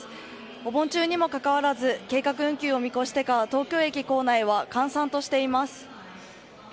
お盆中にもかかわらず計画運休を見越してか東京駅構内は閑散としています。